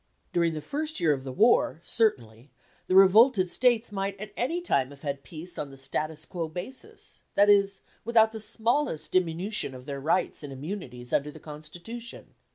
During the first year of the war, certainly, the revolted States might at any time have had peace on the status quo basis, that is, without the smallest diminution of their rights and immunities under the Constitution.